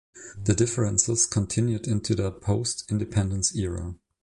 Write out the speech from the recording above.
The differences continued into the post-independence era.